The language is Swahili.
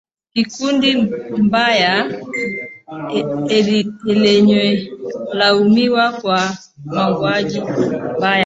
kundi lenye sifa mbaya linalolaumiwa kwa mauaji